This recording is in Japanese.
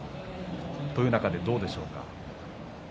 という中で、どうでしょうか？